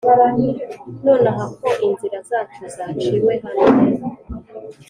nonaha ko inzira zacu zaciwe hano,